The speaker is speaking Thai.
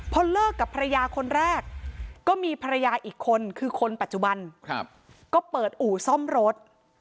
พอเลิกกับภรรยาคนแรกก็มีภรรยาอีกคนคือคนปัจจุบันก็เปิดอู่ซ่อมรถ